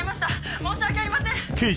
申し訳ありません！